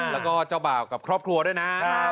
แล้วก็เจ้าบ่าวกับครอบครัวด้วยนะ